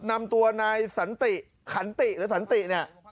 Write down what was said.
นำตัวนายสันติขันติหรือสันติเนี่ย